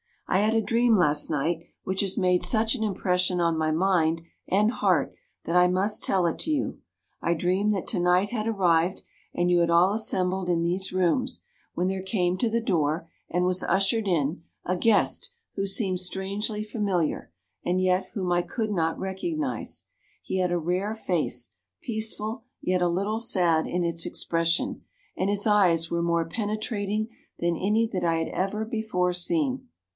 "I had a dream last night, which has made such an impression on my mind and heart that I must tell it to you. I dreamed that tonight had arrived, and you had all assembled in these rooms, when there came to the door, and was ushered in, a guest who seemed strangely familiar, and yet whom I could not recognize. He had a rare face, peaceful, yet a little sad in its expression, and his eyes were more penetrating than any that I had ever before seen.